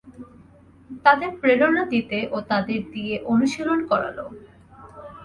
তাদের প্রেরণা দিতে ও তাদের দিয়ে একটা অনুশীলন করালো।